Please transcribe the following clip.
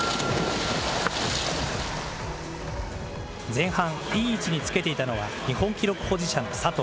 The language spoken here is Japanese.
前半、いい位置につけていたのは、日本記録保持者の佐藤。